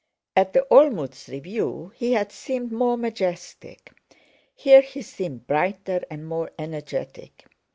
At the Olmütz review he had seemed more majestic; here he seemed brighter and more energetic.